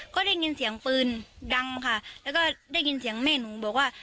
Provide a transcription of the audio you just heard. ก็ได้ยินเสียงปืนดังค่ะแล้วก็ได้ยินเสียงแม่หนูบอกว่า